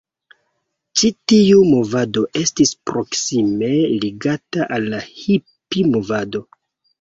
Ĉi tiu movado estis proksime ligata al la Hipi-movado.